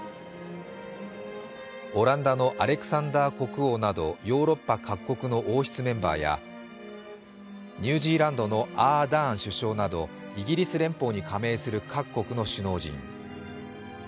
オランダのアレクサンダー国王などヨーロッパ各国の王室メンバーやニュージーランドのアーダーン首相など、イギリス連邦に加盟する各国の首脳陣。